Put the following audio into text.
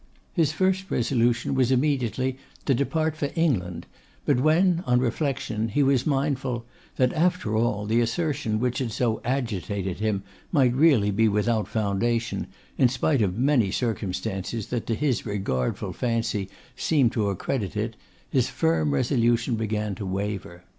His first resolution was immediately to depart for England; but when, on reflection, he was mindful that, after all, the assertion which had so agitated him might really be without foundation, in spite of many circumstances that to his regardful fancy seemed to accredit it, his firm resolution began to waver.